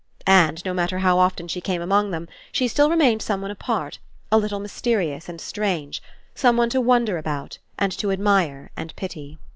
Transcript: And, no matter how often she came among them, she still remained someone apart, a little mysteri ous and strange, someone to wonder about and to admire and to pity.